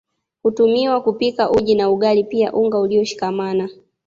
Hutumiwa kupika uji na ugali pia unga ulioshikamana